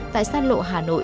tại sát lộ hà nội